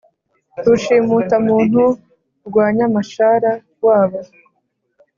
Rushimutamuntu rwa Nyamashara wabo